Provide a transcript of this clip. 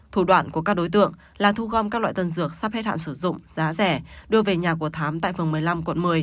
thủ đoạn của các đối tượng là thu gom các loại tân dược sắp hết hạn sử dụng giá rẻ đưa về nhà của thám tại phường một mươi năm quận một mươi